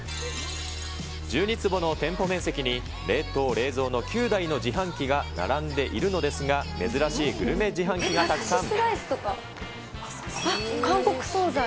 １２坪の店舗面積に、冷凍、冷蔵の９台の自販機が並んでいるのですが、珍しいグルメ自販機が馬刺しスライスとか、あっ、韓国総菜。